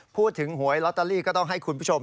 หวยลอตเตอรี่ก็ต้องให้คุณผู้ชม